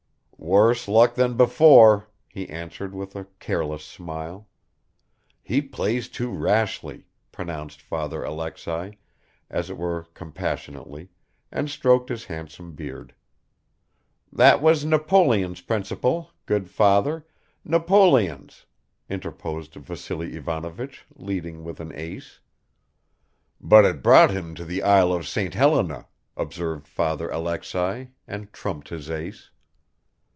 "Worse luck than before," he answered with a careless smile. "He plays too rashly," pronounced Father Alexei, as it were compassionately, and stroked his handsome beard. "That was Napoleon's principle, good Father, Napoleon's," interposed Vassily Ivanovich, leading with an ace. "But it brought him to the isle of St. Helena," observed Father Alexei, and trumped his ace.